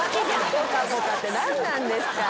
ポカポカって何なんですか。